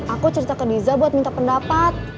aku cerita ke riza buat minta pendapat